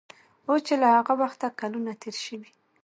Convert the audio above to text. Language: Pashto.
اوس چې له هغه وخته کلونه تېر شوي